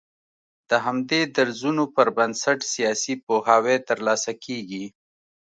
د همدې درځونو پر بنسټ سياسي پوهاوی تر لاسه کېږي